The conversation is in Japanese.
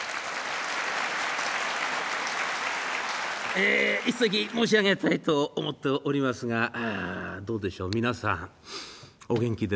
え一席申し上げたいと思っておりますがどうでしょう皆さんお元気ですか？